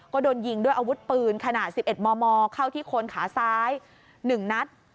ก็โดนยิงด้วยอาวุธปืนขนาด๑๑มมเข้าที่โคนขาซ้าย๑นัด